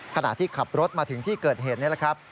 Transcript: ขณะที่ขับรถมาถึงที่เกิดเหตุนี่แหละครับ